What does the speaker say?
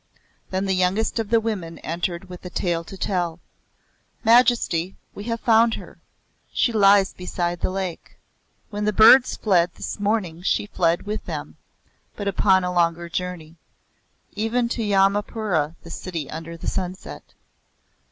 Then the youngest of the women entered with a tale to tell. "Majesty, we have found her. She lies beside the lake. When the birds fled this morning she fled with them, but upon a longer journey. Even to Yamapura, the City under the Sunset."